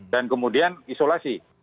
dan kemudian isolasi